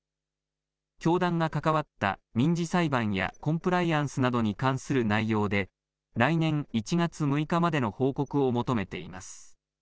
教団が関わった民事裁判やコンプライアンスなどに関する内容で、来年１月６日までの報告を求めています。